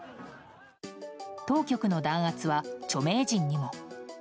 当局の弾圧は著名人にも。